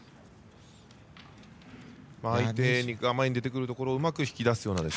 相手が前に出てくるところをうまく引き出すような。